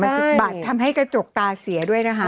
มันจะบาดทำให้กระจกตาเสียด้วยนะฮะ